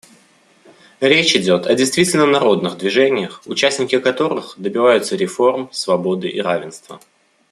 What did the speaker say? Речь идет о действительно народных движениях, участники которых добиваются реформ, свободы и равенства.